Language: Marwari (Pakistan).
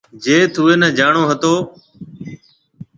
جيٿ اُوئي نَي جاڻو ھتو۔